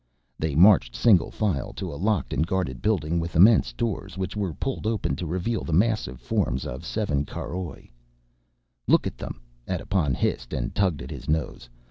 They marched single file to a locked and guarded building with immense doors, which were pulled open to reveal the massive forms of seven caroj. "Look at them," Edipon hissed and tugged at his nose.